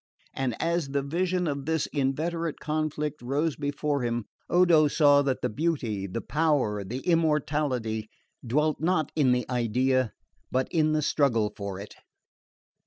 And as the vision of this inveterate conflict rose before him, Odo saw that the beauty, the power, the immortality, dwelt not in the idea but in the struggle for it.